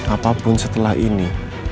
apapun setelah ini